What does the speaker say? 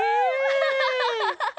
アハハハハハハ！